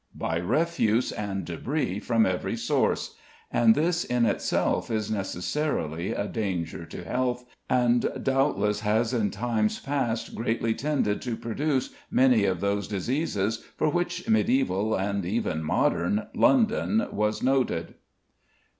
By refuse and debris from every source; and this in itself is necessarily a danger to health, and doubtless has in times past greatly tended to produce many of those diseases for which mediæval (and even modern) London was noted.